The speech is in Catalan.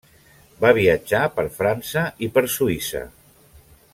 Va viatjar per França i per Suïssa.